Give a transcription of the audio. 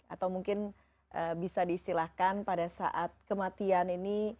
atau mungkin bisa diistilahkan pada saat kematian ini